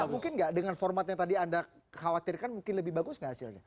mungkin nggak dengan format yang tadi anda khawatirkan mungkin lebih bagus nggak hasilnya